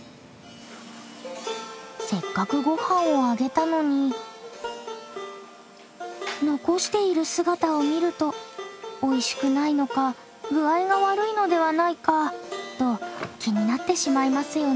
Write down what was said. せっかくご飯をあげたのに残している姿を見るとおいしくないのか具合が悪いのではないかと気になってしまいますよね。